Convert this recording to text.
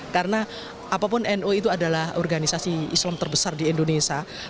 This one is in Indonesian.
karena apapun no itu adalah organisasi islam terbesar di indonesia